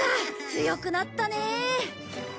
強くなったねえ。